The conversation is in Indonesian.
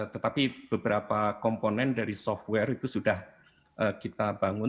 tetapi beberapa komponen dari software itu sudah kita bangun